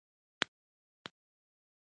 بار به يې کوزاوه.